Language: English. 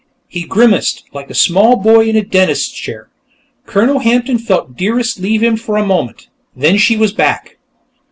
He grimaced like a small boy in a dentist's chair. Colonel Hampton felt Dearest leave him for a moment. Then she was back.